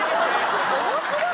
面白い？